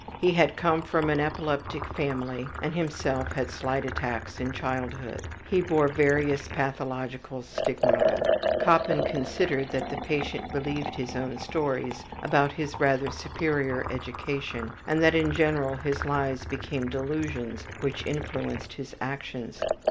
He had come from an epileptic family and himself had slight attacks in childhood. He bore various pathological stigmata. Koppen considered that the patient believed his own stories about his rather superior education and that in general his lies became delusions which influenced his actions.